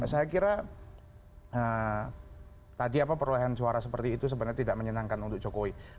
saya kira tadi apa perolehan suara seperti itu sebenarnya tidak menyenangkan untuk jokowi